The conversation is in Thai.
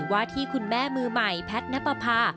ว่าที่คุณแม่มือใหม่แพทย์นับประพา